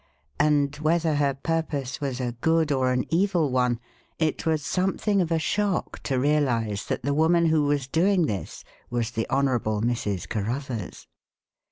And whether her purpose was a good or an evil one it was something of a shock to realize that the woman who was doing this was the Honourable Mrs. Carruthers.